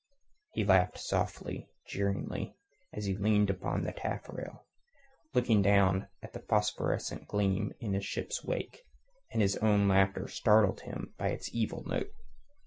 He laughed softly, jeeringly, as he leaned on the taffrail, looking down at the phosphorescent gleam in the ship's wake, and his own laughter startled him by its evil note.